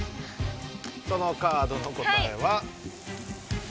そのカードの答えは。